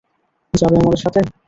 যাবে আমাদের সাথে?